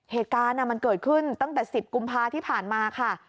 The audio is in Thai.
เหตุการณ์มันเกิดขึ้นตั้งแต่๑๐กุมภาที่ผ่านมาค่ะ